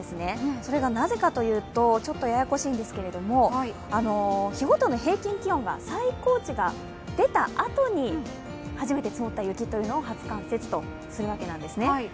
それがなぜかというと、ちょっとややこしいんですけれども、日ごとの平均気温が最高値が出たあとに初めて凍った雪というのを初冠雪とするわけですね。